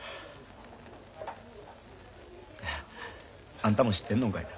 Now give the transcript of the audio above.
あんたも知ってんのんかいな？